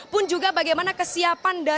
pun juga bagaimana kesiapan